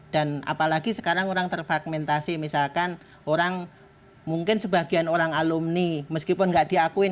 dan apalagi sekarang orang terfragmentasi misalkan orang mungkin sebagian orang alumni meskipun gak diakuin